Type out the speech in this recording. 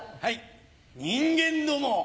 人間ども！